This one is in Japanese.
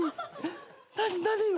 何何よ？